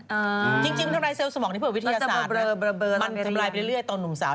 เออจริงสมองในเทพธุระวิทยาศาสตร์มันสำรายไปเรื่อยตอนหนุ่มสาว